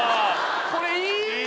これいい！